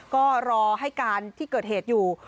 ก็รอให้การที่เกิดเหตุอยู่